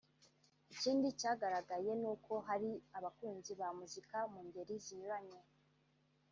Ikindi cyagaragaye ni uko hari abakunzi ba muzika mu ngeri zinyuranye